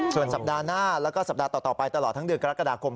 ส่วนสัปดาห์หน้าแล้วก็สัปดาห์ต่อไปตลอดทั้งเดือนกรกฎาคม